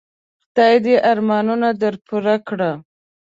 خدای دي ارمانونه در پوره کړه .